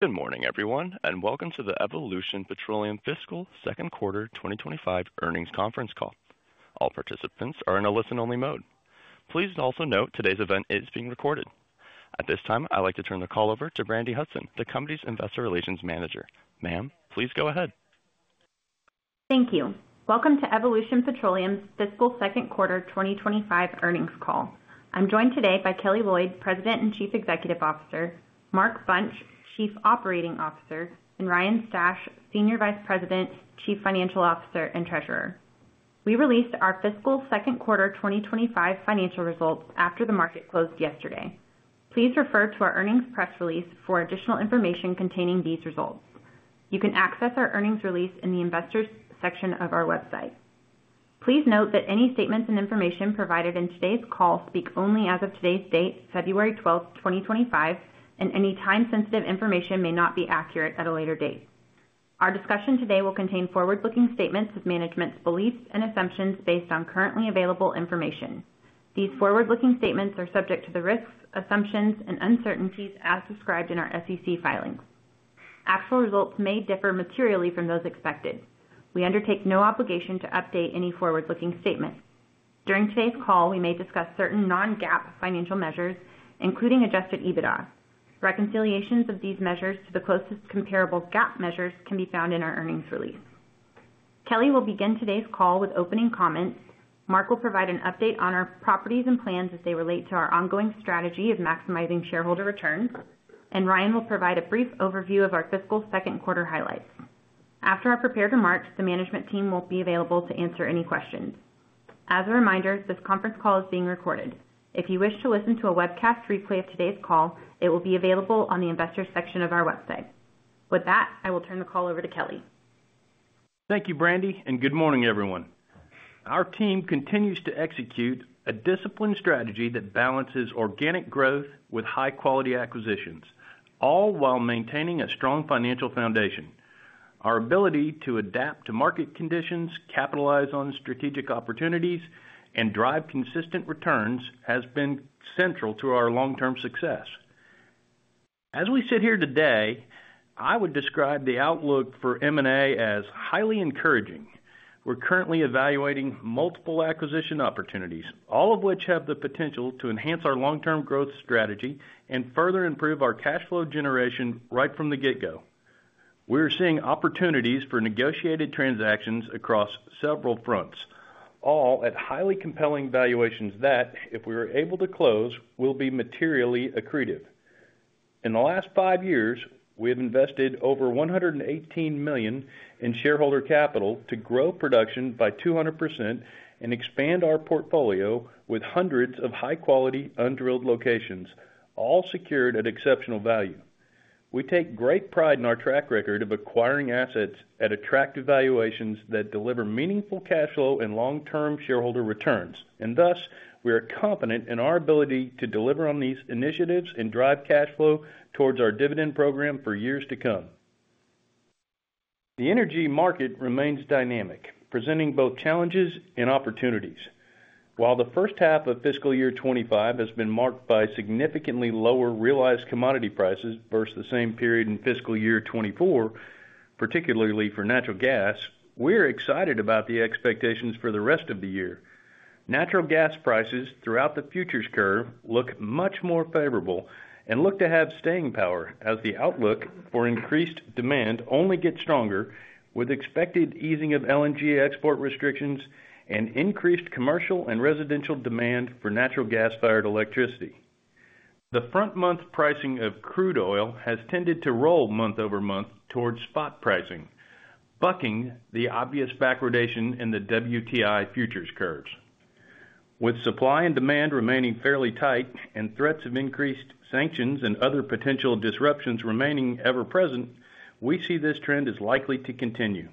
Good morning, everyone, and welcome to the Evolution Petroleum fiscal second quarter 2025 earnings conference call. All participants are in a listen-only mode. Please also note today's event is being recorded. At this time, I'd like to turn the call over to Brandi Hudson, the company's Investor Relations Manager. Ma'am, please go ahead. Thank you. Welcome to Evolution Petroleum's fiscal second quarter 2025 earnings call. I'm joined today by Kelly Loyd, President and Chief Executive Officer; Mark Bunch, Chief Operating Officer; and Ryan Stash, Senior Vice President, Chief Financial Officer, and Treasurer. We released our fiscal second quarter 2025 financial results after the market closed yesterday. Please refer to our earnings press release for additional information containing these results. You can access our earnings release in the Investors section of our website. Please note that any statements and information provided in today's call speak only as of today's date, February 12, 2025, and any time-sensitive information may not be accurate at a later date. Our discussion today will contain forward-looking statements of management's beliefs and assumptions based on currently available information. These forward-looking statements are subject to the risks, assumptions, and uncertainties as described in our SEC filings. Actual results may differ materially from those expected. We undertake no obligation to update any forward-looking statement. During today's call, we may discuss certain non-GAAP financial measures, including Adjusted EBITDA. Reconciliations of these measures to the closest comparable GAAP measures can be found in our earnings release. Kelly will begin today's call with opening comments. Mark will provide an update on our properties and plans as they relate to our ongoing strategy of maximizing shareholder returns, and Ryan will provide a brief overview of our fiscal second quarter highlights. After prepared remarks, the management team would be available to answer any questions. As a reminder, this conference call is being recorded. If you wish to listen to a webcast replay of today's call, it will be available on the Investors section of our website. With that, I will turn the call over to Kelly. Thank you, Brandi, and good morning, everyone. Our team continues to execute a disciplined strategy that balances organic growth with high-quality acquisitions, all while maintaining a strong financial foundation. Our ability to adapt to market conditions, capitalize on strategic opportunities, and drive consistent returns has been central to our long-term success. As we sit here today, I would describe the outlook for M&A as highly encouraging. We're currently evaluating multiple acquisition opportunities, all of which have the potential to enhance our long-term growth strategy and further improve our cash flow generation right from the get-go. We are seeing opportunities for negotiated transactions across several fronts, all at highly compelling valuations that, if we are able to close, will be materially accretive. In the last five years, we have invested over $118 million in shareholder capital to grow production by 200% and expand our portfolio with hundreds of high-quality undrilled locations, all secured at exceptional value. We take great pride in our track record of acquiring assets at attractive valuations that deliver meaningful cash flow and long-term shareholder returns, and thus we are confident in our ability to deliver on these initiatives and drive cash flow towards our dividend program for years to come. The energy market remains dynamic, presenting both challenges and opportunities. While the first half of fiscal year 2025 has been marked by significantly lower realized commodity prices versus the same period in fiscal year 2024, particularly for natural gas, we're excited about the expectations for the rest of the year. Natural gas prices throughout the futures curve look much more favorable and look to have staying power as the outlook for increased demand only gets stronger with expected easing of LNG export restrictions and increased commercial and residential demand for natural gas-fired electricity. The front-month pricing of crude oil has tended to roll month over month towards spot pricing, bucking the obvious backwardation in the WTI futures curves. With supply and demand remaining fairly tight and threats of increased sanctions and other potential disruptions remaining ever-present, we see this trend is likely to continue.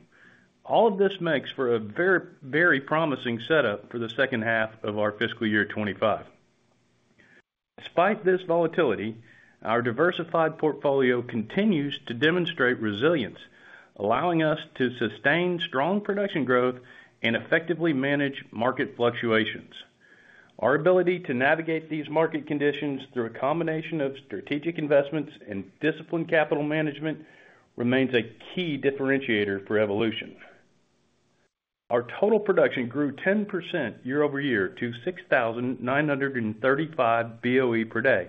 All of this makes for a very, very promising setup for the second half of our fiscal year 2025. Despite this volatility, our diversified portfolio continues to demonstrate resilience, allowing us to sustain strong production growth and effectively manage market fluctuations. Our ability to navigate these market conditions through a combination of strategic investments and disciplined capital management remains a key differentiator for Evolution. Our total production grew 10% year-over-year to 6,935 BOE per day,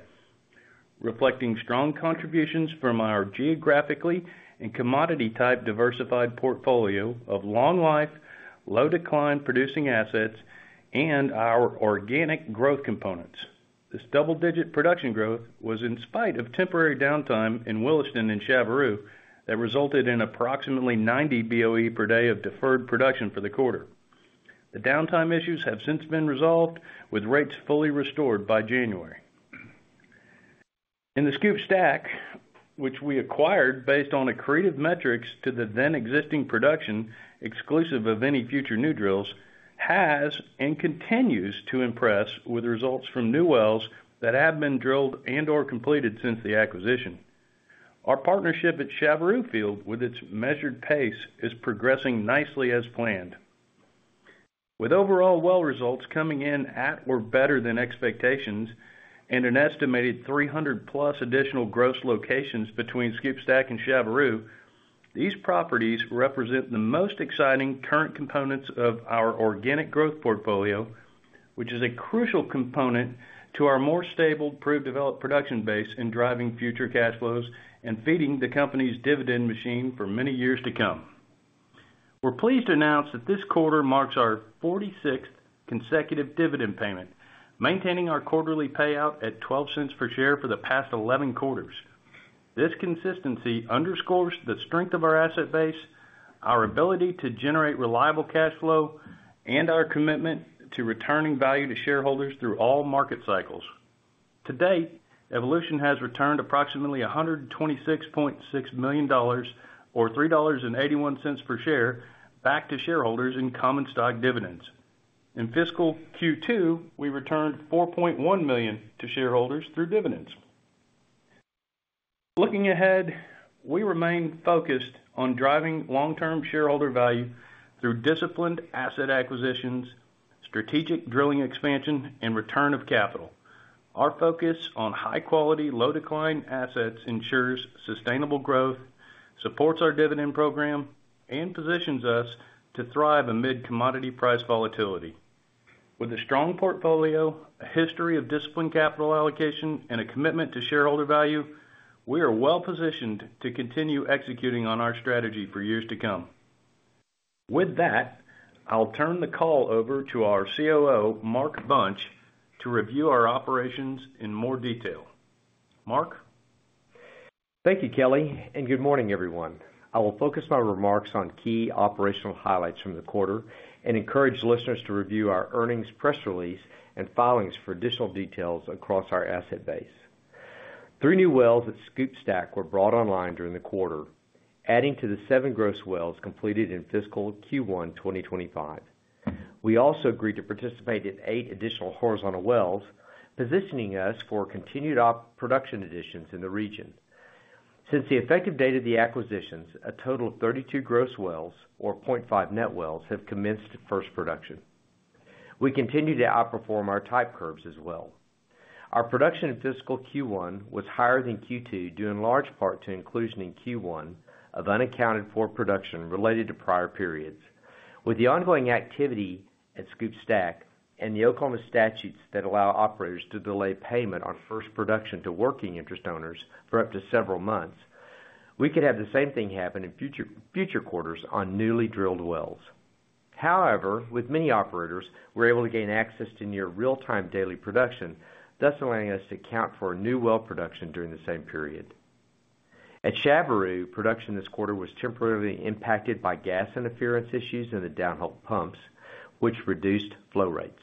reflecting strong contributions from our geographically and commodity-type diversified portfolio of long-life, low-decline producing assets and our organic growth components. This double-digit production growth was in spite of temporary downtime in Williston and Chaveroo that resulted in approximately 90 BOE per day of deferred production for the quarter. The downtime issues have since been resolved with rates fully restored by January. In the SCOOP/STACK, which we acquired based on accretive metrics to the then-existing production exclusive of any future new drills, has and continues to impress with results from new wells that have been drilled and/or completed since the acquisition. Our partnership at Chaveroo Field, with its measured pace, is progressing nicely as planned. With overall well results coming in at or better than expectations and an estimated 300-plus additional gross locations between SCOOP/STACK and Chaveroo, these properties represent the most exciting current components of our organic growth portfolio, which is a crucial component to our more stable, proved developed production base and driving future cash flows and feeding the company's dividend machine for many years to come. We're pleased to announce that this quarter marks our 46th consecutive dividend payment, maintaining our quarterly payout at $0.12 per share for the past 11 quarters. This consistency underscores the strength of our asset base, our ability to generate reliable cash flow, and our commitment to returning value to shareholders through all market cycles. To date, Evolution has returned approximately $126.6 million or $3.81 per share back to shareholders in common stock dividends. In fiscal Q2, we returned $4.1 million to shareholders through dividends. Looking ahead, we remain focused on driving long-term shareholder value through disciplined asset acquisitions, strategic drilling expansion, and return of capital. Our focus on high-quality, low-decline assets ensures sustainable growth, supports our dividend program, and positions us to thrive amid commodity price volatility. With a strong portfolio, a history of disciplined capital allocation, and a commitment to shareholder value, we are well-positioned to continue executing on our strategy for years to come. With that, I'll turn the call over to our COO, Mark Bunch, to review our operations in more detail. Mark. Thank you, Kelly, and good morning, everyone. I will focus my remarks on key operational highlights from the quarter and encourage listeners to review our earnings press release and filings for additional details across our asset base. Three new wells at SCOOP/STACK were brought online during the quarter, adding to the seven gross wells completed in fiscal Q1 2025. We also agreed to participate in eight additional horizontal wells, positioning us for continued production additions in the region. Since the effective date of the acquisitions, a total of 32 gross wells or 0.5 net wells have commenced first production. We continue to outperform our type curves as well. Our production in fiscal Q1 was higher than Q2, due in large part to inclusion in Q1 of unaccounted for production related to prior periods. With the ongoing activity at SCOOP/STACK and the Oklahoma Statutes that allow operators to delay payment on first production to working interest owners for up to several months, we could have the same thing happen in future quarters on newly drilled wells. However, with many operators, we're able to gain access to near real-time daily production, thus allowing us to account for new well production during the same period. At Chaveroo, production this quarter was temporarily impacted by gas interference issues in the downhole pumps, which reduced flow rates.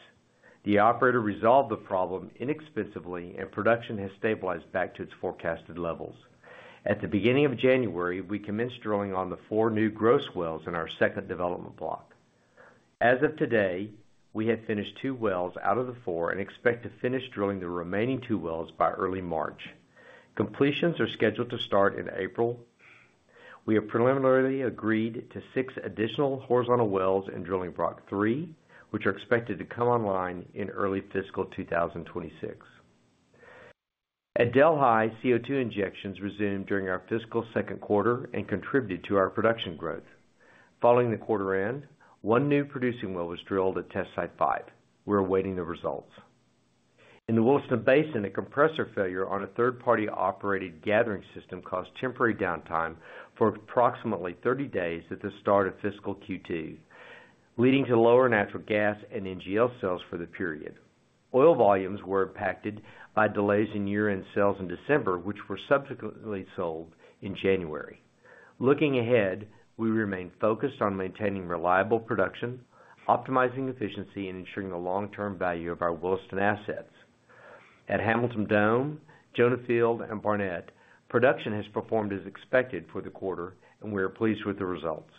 The operator resolved the problem inexpensively, and production has stabilized back to its forecasted levels. At the beginning of January, we commenced drilling on the four new gross wells in our second development block. As of today, we have finished two wells out of the four and expect to finish drilling the remaining two wells by early March. Completions are scheduled to start in April. We have preliminarily agreed to six additional horizontal wells in Drilling Block 3, which are expected to come online in early fiscal 2026. At Delhi, CO2 injections resumed during our fiscal second quarter and contributed to our production growth. Following the quarter end, one new producing well was drilled at Test Site 5. We're awaiting the results. In the Williston Basin, a compressor failure on a third-party operated gathering system caused temporary downtime for approximately 30 days at the start of fiscal Q2, leading to lower natural gas and NGL sales for the period. Oil volumes were impacted by delays in year-end sales in December, which were subsequently sold in January. Looking ahead, we remain focused on maintaining reliable production, optimizing efficiency, and ensuring the long-term value of our Williston assets. At Hamilton Dome, Jonah Field, and Barnett, production has performed as expected for the quarter, and we are pleased with the results.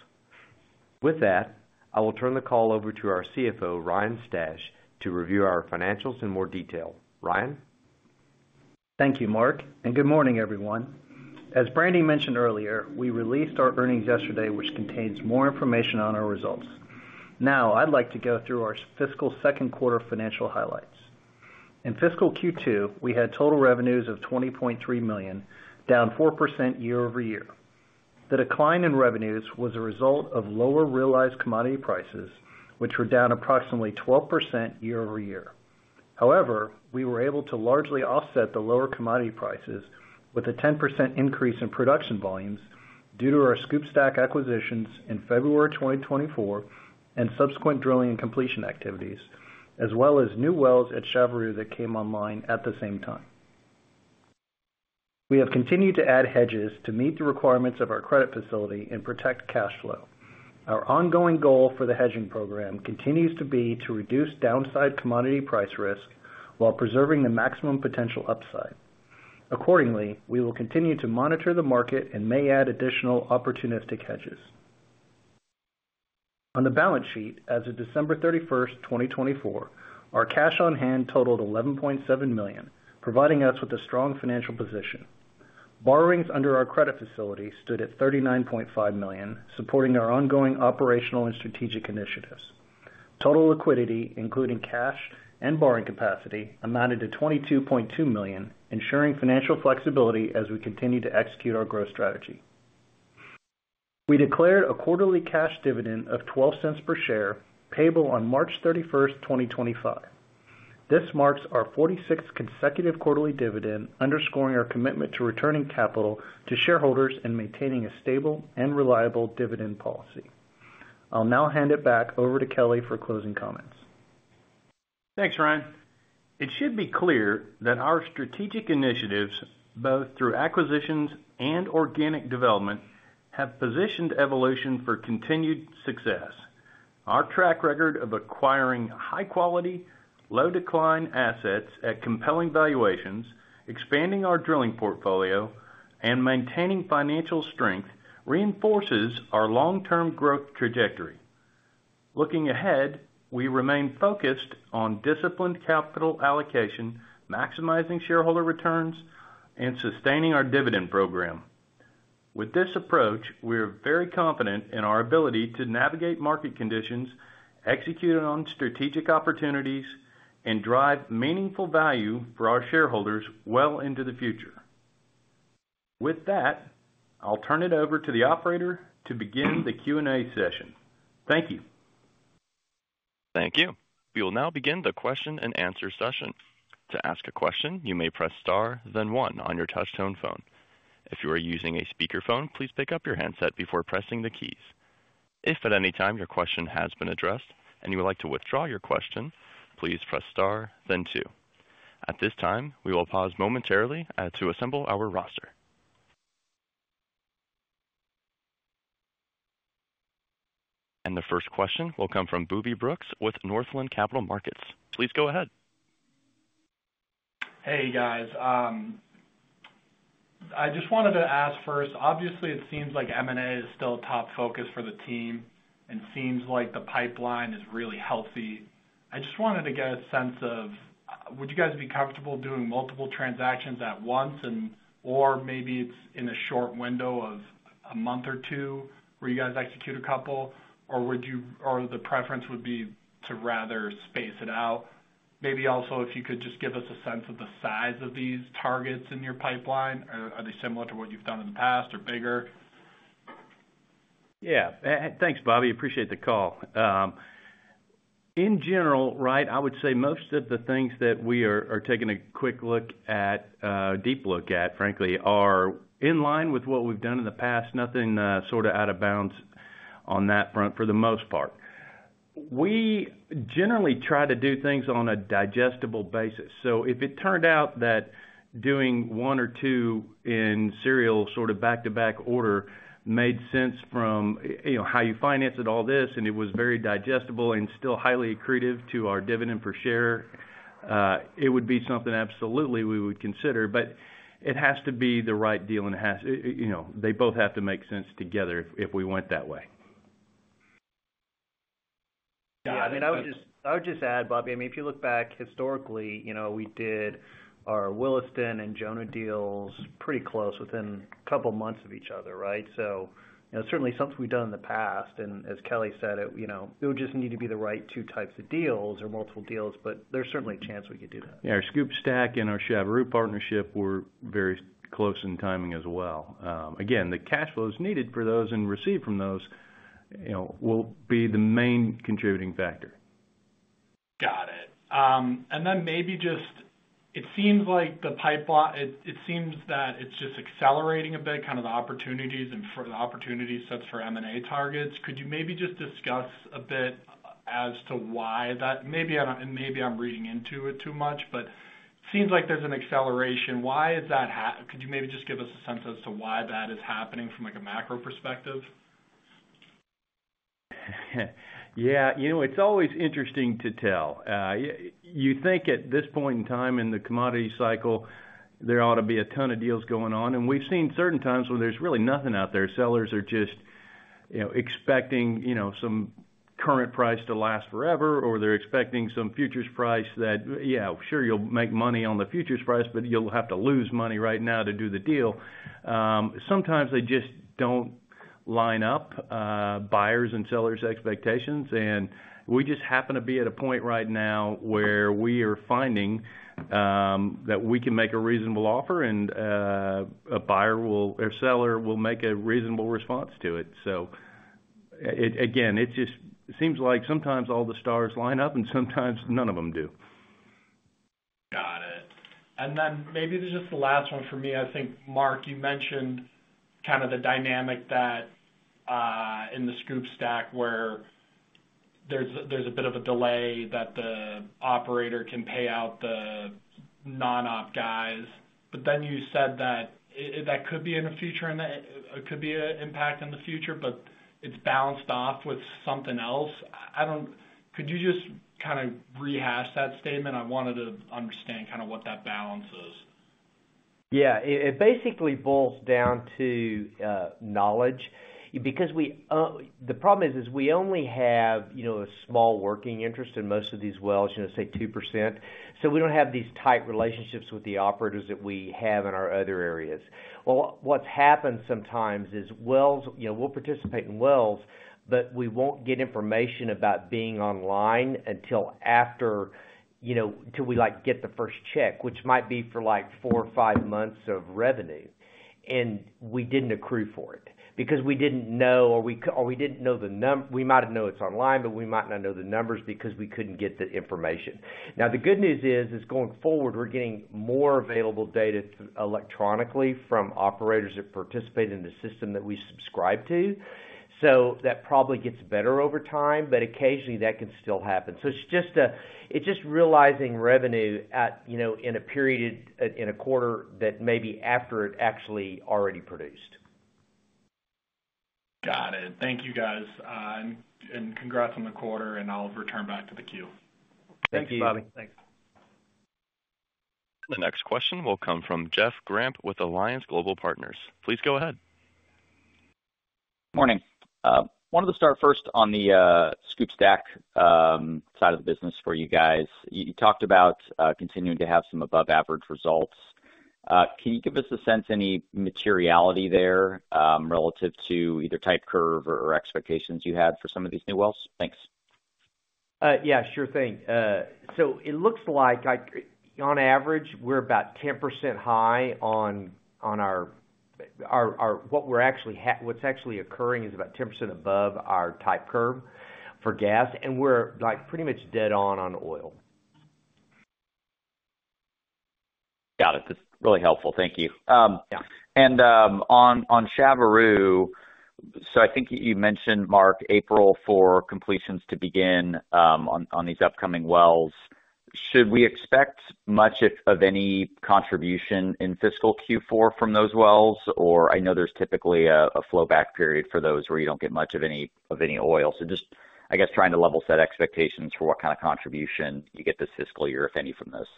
With that, I will turn the call over to our CFO, Ryan Stash, to review our financials in more detail. Ryan. Thank you, Mark, and good morning, everyone. As Brandi mentioned earlier, we released our earnings yesterday, which contains more information on our results. Now, I'd like to go through our fiscal second quarter financial highlights. In fiscal Q2, we had total revenues of $20.3 million, down 4% year-over-year. The decline in revenues was a result of lower realized commodity prices, which were down approximately 12% year-over-year. However, we were able to largely offset the lower commodity prices with a 10% increase in production volumes due to our SCOOP/STACK acquisitions in February 2024 and subsequent drilling and completion activities, as well as new wells at Chaveroo that came online at the same time. We have continued to add hedges to meet the requirements of our credit facility and protect cash flow. Our ongoing goal for the hedging program continues to be to reduce downside commodity price risk while preserving the maximum potential upside. Accordingly, we will continue to monitor the market and may add additional opportunistic hedges. On the balance sheet, as of December 31, 2024, our cash on hand totaled $11.7 million, providing us with a strong financial position. Borrowings under our credit facility stood at $39.5 million, supporting our ongoing operational and strategic initiatives. Total liquidity, including cash and borrowing capacity, amounted to $22.2 million, ensuring financial flexibility as we continue to execute our growth strategy. We declared a quarterly cash dividend of $0.12 per share, payable on March 31, 2025. This marks our 46th consecutive quarterly dividend, underscoring our commitment to returning capital to shareholders and maintaining a stable and reliable dividend policy. I'll now hand it back over to Kelly for closing comments. Thanks, Ryan. It should be clear that our strategic initiatives, both through acquisitions and organic development, have positioned Evolution for continued success. Our track record of acquiring high-quality, low-decline assets at compelling valuations, expanding our drilling portfolio, and maintaining financial strength reinforces our long-term growth trajectory. Looking ahead, we remain focused on disciplined capital allocation, maximizing shareholder returns, and sustaining our dividend program. With this approach, we are very confident in our ability to navigate market conditions, execute on strategic opportunities, and drive meaningful value for our shareholders well into the future. With that, I'll turn it over to the operator to begin the Q&A session. Thank you. Thank you. We will now begin the question and answer session. To ask a question, you may press star, then one on your touch-tone phone. If you are using a speakerphone, please pick up your handset before pressing the keys. If at any time your question has been addressed and you would like to withdraw your question, please press star, then two. At this time, we will pause momentarily to assemble our roster. The first question will come from Bobby Brooks with Northland Capital Markets. Please go ahead. Hey, guys. I just wanted to ask first, obviously, it seems like M&A is still a top focus for the team, and it seems like the pipeline is really healthy. I just wanted to get a sense of, would you guys be comfortable doing multiple transactions at once, or maybe it's in a short window of a month or two where you guys execute a couple, or would you, or the preference would be to rather space it out? Maybe also, if you could just give us a sense of the size of these targets in your pipeline, are they similar to what you've done in the past or bigger? Yeah. Thanks, Bobby. Appreciate the call. In general, right, I would say most of the things that we are taking a quick look at, deep look at, frankly, are in line with what we've done in the past, nothing sort of out of bounds on that front for the most part. We generally try to do things on a digestible basis. If it turned out that doing one or two in serial sort of back-to-back order made sense from how you financed all this, and it was very digestible and still highly accretive to our dividend per share, it would be something absolutely we would consider. It has to be the right deal, and they both have to make sense together if we went that way. Yeah. I mean, I would just add, Bobby, I mean, if you look back historically, we did our Williston and Jonah deals pretty close within a couple of months of each other, right? Certainly something we've done in the past. As Kelly said, it would just need to be the right two types of deals or multiple deals, but there's certainly a chance we could do that. Yeah. Our SCOOP/STACK and our Chaveroo partnership were very close in timing as well. Again, the cash flows needed for those and received from those will be the main contributing factor. Got it. Maybe just, it seems like the pipeline, it seems that it's just accelerating a bit, kind of the opportunities and for the opportunity sets for M&A targets. Could you maybe just discuss a bit as to why that, and maybe I'm reading into it too much, but it seems like there's an acceleration. Why is that? Could you maybe just give us a sense as to why that is happening from a macro perspective? Yeah. It's always interesting to tell. You think at this point in time in the commodity cycle, there ought to be a ton of deals going on. We have seen certain times where there's really nothing out there. Sellers are just expecting some current price to last forever, or they're expecting some futures price that, yeah, sure, you'll make money on the futures price, but you'll have to lose money right now to do the deal. Sometimes they just do not line up buyers' and sellers' expectations. We just happen to be at a point right now where we are finding that we can make a reasonable offer, and a buyer will, or seller will make a reasonable response to it. It just seems like sometimes all the stars line up, and sometimes none of them do. Got it. Maybe this is just the last one for me. I think, Mark, you mentioned kind of the dynamic that in the SCOOP/STACK where there's a bit of a delay that the operator can pay out the non-op guys. You said that that could be in the future, and it could be an impact in the future, but it's balanced off with something else. Could you just kind of rehash that statement? I wanted to understand kind of what that balance is. Yeah. It basically boils down to knowledge. Because the problem is, is we only have a small working interest in most of these wells, say 2%. So we don't have these tight relationships with the operators that we have in our other areas. What's happened sometimes is wells, we'll participate in wells, but we won't get information about being online until after, until we get the first check, which might be for like four or five months of revenue. We didn't accrue for it because we didn't know, or we didn't know the number. We might have known it's online, but we might not know the numbers because we couldn't get the information. Now, the good news is, is going forward, we're getting more available data electronically from operators that participate in the system that we subscribe to. That probably gets better over time, but occasionally that can still happen. It is just realizing revenue in a period, in a quarter that may be after it actually already produced. Got it. Thank you, guys. Congrats on the quarter, and I'll return back to the queue. Thank you, Bobby. Thanks. The next question will come from Jeff Grampp with Alliance Global Partners. Please go ahead. Morning. I wanted to start first on the SCOOP/STACK side of the business for you guys. You talked about continuing to have some above-average results. Can you give us a sense of any materiality there relative to either type curve or expectations you had for some of these new wells? Thanks. Yeah. Sure thing. It looks like on average, we're about 10% high on our what we're actually what's actually occurring is about 10% above our type curve for gas, and we're pretty much dead on on oil. Got it. That's really helpful. Thank you. On Chaveroo, I think you mentioned, Mark, April for completions to begin on these upcoming wells. Should we expect much of any contribution in fiscal Q4 from those wells? I know there's typically a flowback period for those where you do not get much of any oil. I am just trying to level set expectations for what kind of contribution you get this fiscal year, if any, from this.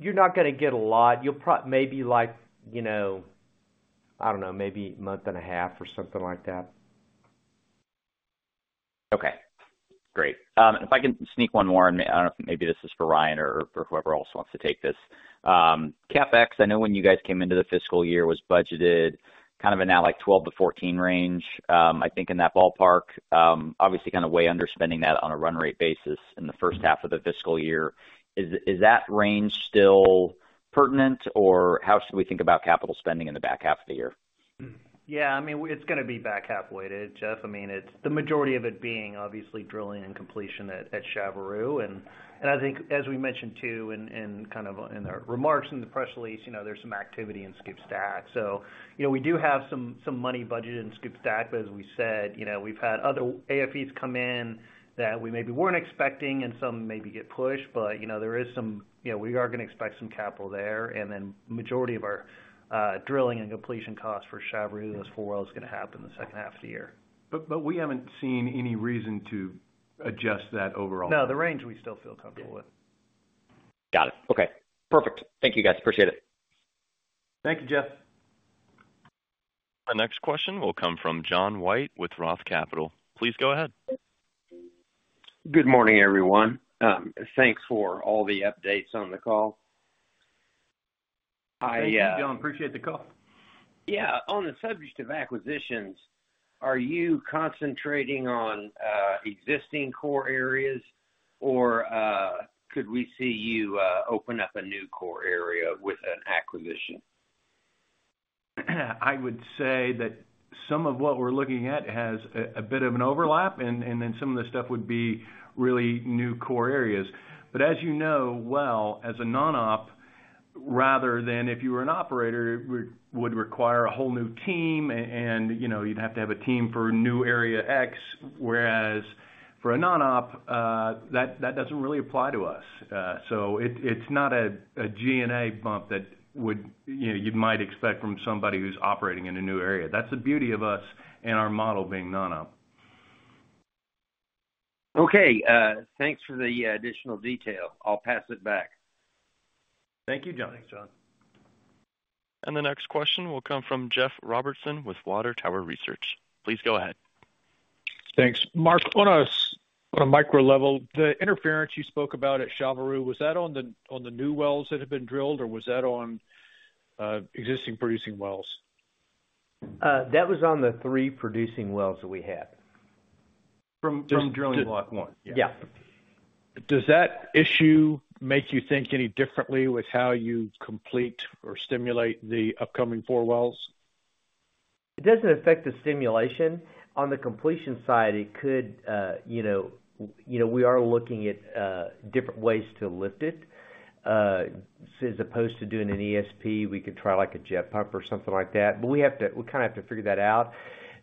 You're not going to get a lot. You'll probably maybe like, I don't know, maybe a month and a half or something like that. Okay. Great. If I can sneak one more, and I do not know if maybe this is for Ryan or for whoever else wants to take this. CapEx, I know when you guys came into the fiscal year was budgeted kind of in that like $12 million-$14 million range, I think in that ballpark, obviously kind of way under spending that on a run rate basis in the first half of the fiscal year. Is that range still pertinent, or how should we think about capital spending in the back half of the year? Yeah. I mean, it's going to be back half weighted, Jeff. I mean, the majority of it being obviously drilling and completion at Chaveroo. I think, as we mentioned too, in kind of in the remarks in the press release, there's some activity in SCOOP/STACK. We do have some money budgeted in SCOOP/STACK, but as we said, we've had other AFEs come in that we maybe weren't expecting, and some maybe get pushed, but there is some we are going to expect some capital there. The majority of our drilling and completion costs for Chaveroo, those four wells are going to happen in the second half of the year. We haven't seen any reason to adjust that overall. No, the range we still feel comfortable with. Got it. Okay. Perfect. Thank you, guys. Appreciate it. Thank you, Jeff. The next question will come from John White with Roth Capital. Please go ahead. Good morning, everyone. Thanks for all the updates on the call. Hi, John. Appreciate the call. Yeah. On the subject of acquisitions, are you concentrating on existing core areas, or could we see you open up a new core area with an acquisition? I would say that some of what we're looking at has a bit of an overlap, and then some of the stuff would be really new core areas. As you know well, as a non-op, rather than if you were an operator, it would require a whole new team, and you'd have to have a team for new area X, whereas for a non-op, that doesn't really apply to us. It is not a G&A bump that you might expect from somebody who's operating in a new area. That is the beauty of us and our model being non-op. Okay. Thanks for the additional detail. I'll pass it back. Thank you, John. Thanks, John. The next question will come from Jeff Robertson with Water Tower Research. Please go ahead. Thanks. Mark, on a micro level, the interference you spoke about at Chaveroo, was that on the new wells that had been drilled, or was that on existing producing wells? That was on the three producing wells that we had. From Drilling Block 1. Yeah. Does that issue make you think any differently with how you complete or stimulate the upcoming four wells? It doesn't affect the stimulation. On the completion side, it could. We are looking at different ways to lift it. As opposed to doing an ESP, we could try like a jet pump or something like that. We kind of have to figure that out.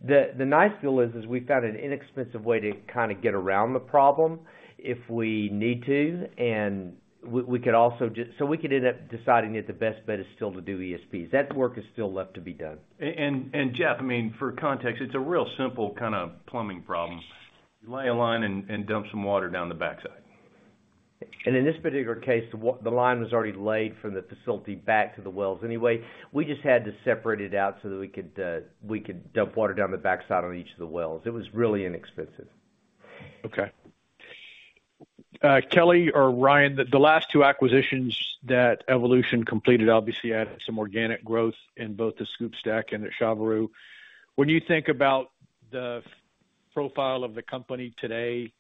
The nice deal is, we found an inexpensive way to kind of get around the problem if we need to. We could also just, we could end up deciding that the best bet is still to do ESPs. That work is still left to be done. Jeff, I mean, for context, it's a real simple kind of plumbing problem. You lay a line and dump some water down the backside. In this particular case, the line was already laid from the facility back to the wells anyway. We just had to separate it out so that we could dump water down the backside on each of the wells. It was really inexpensive. Okay. Kelly or Ryan, the last two acquisitions that Evolution completed obviously added some organic growth in both the SCOOP/STACK and at Chaveroo. When you think about the profile of the company today,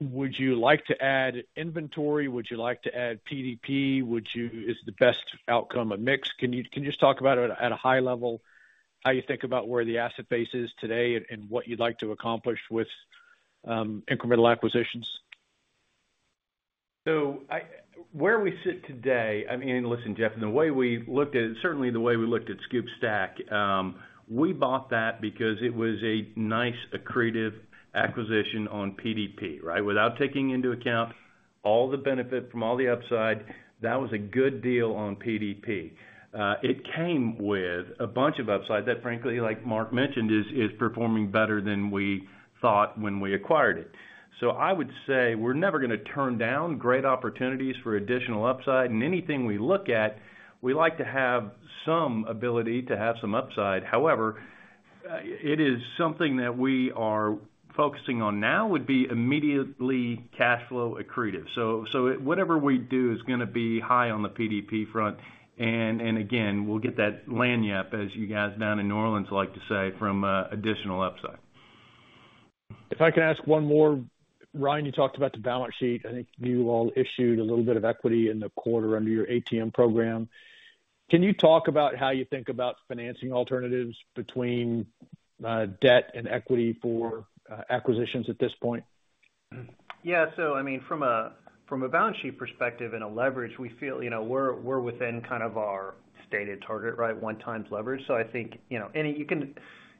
would you like to add inventory? Would you like to add PDP? Is the best outcome a mix? Can you just talk about it at a high level, how you think about where the asset base is today and what you'd like to accomplish with incremental acquisitions? Where we sit today, I mean, listen, Jeff, and the way we looked at it, certainly the way we looked at SCOOP/STACK, we bought that because it was a nice accretive acquisition on PDP, right? Without taking into account all the benefit from all the upside, that was a good deal on PDP. It came with a bunch of upside that, frankly, like Mark mentioned, is performing better than we thought when we acquired it. I would say we're never going to turn down great opportunities for additional upside. Anything we look at, we like to have some ability to have some upside. However, it is something that we are focusing on now would be immediately cash flow accretive. Whatever we do is going to be high on the PDP front. We'll get that lagniappe, as you guys down in New Orleans like to say, from additional upside. If I can ask one more, Ryan, you talked about the balance sheet. I think you all issued a little bit of equity in the quarter under your ATM program. Can you talk about how you think about financing alternatives between debt and equity for acquisitions at this point? Yeah. I mean, from a balance sheet perspective and leverage, we feel we're within kind of our stated target, right? One times leverage. I think you can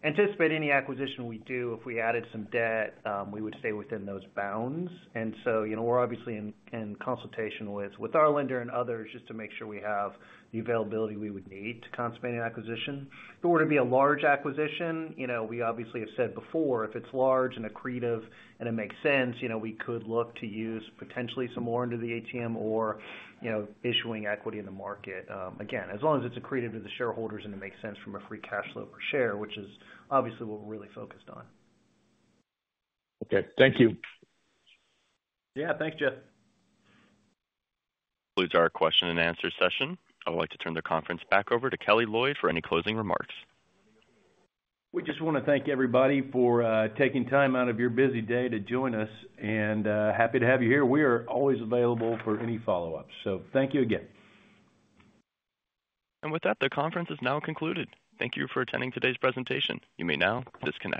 anticipate any acquisition we do, if we added some debt, we would stay within those bounds. We are obviously in consultation with our lender and others just to make sure we have the availability we would need to consummate an acquisition. If it were to be a large acquisition, we obviously have said before, if it's large and accretive and it makes sense, we could look to use potentially some more into the ATM or issuing equity in the market. Again, as long as it's accretive to the shareholders and it makes sense from a free cash flow per share, which is obviously what we're really focused on. Okay. Thank you. Yeah. Thanks, Jeff. This concludes our question and answer session. I would like to turn the conference back over to Kelly Loyd for any closing remarks. We just want to thank everybody for taking time out of your busy day to join us, and happy to have you here. We are always available for any follow-ups. Thank you again. The conference is now concluded. Thank you for attending today's presentation. You may now disconnect.